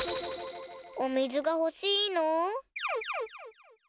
おみずがほしいの？